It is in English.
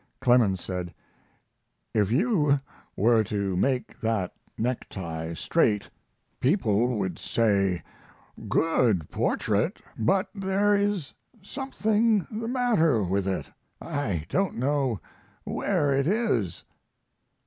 Clemens said: "If you were to make that necktie straight people would say; 'Good portrait, but there is something the matter with it. I don't know where it is.'"